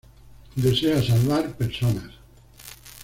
Desea salvar personas.